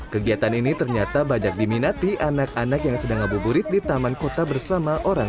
kegiatan ini ternyata banyak diminati anak anak yang sedang ngabuburit di taman kota bersama orang